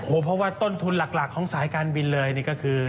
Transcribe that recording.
เพราะว่าต้นทุนหลักของสายการบินเลยนี่ก็คือ